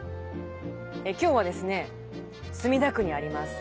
今日はですね墨田区にあります